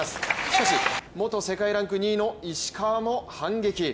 しかし、元世界ランク２位の石川も反撃。